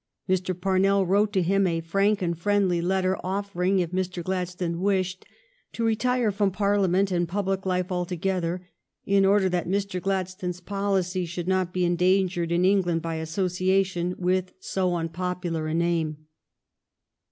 Mr. Parnell wrote to him a frank and friendly let ter, offering, if Mr. Gladstone wished it, to re tire from Parlia ment and public life altogether order that Mr. Gladstone's policy should not be endangered in England by association with so unpopular a name.